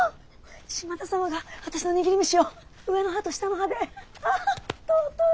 島田様が私の握り飯を上の歯と下の歯でああ尊い！